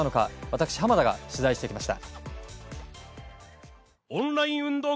私、濱田が取材してきました。